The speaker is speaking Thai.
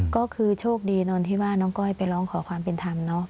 ก็คือโชคดีตอนที่ว่าน้องก้อยไปร้องขอความเป็นธรรมเนอะ